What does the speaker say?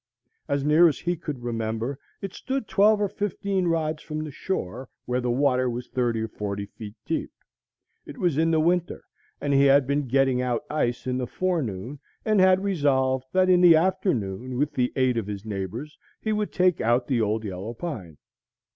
As near as he could remember, it stood twelve or fifteen rods from the shore, where the water was thirty or forty feet deep. It was in the winter, and he had been getting out ice in the forenoon, and had resolved that in the afternoon, with the aid of his neighbors, he would take out the old yellow pine.